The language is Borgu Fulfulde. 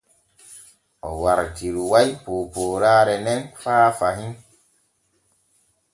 O wartiruway poopooraare nen faa fahin.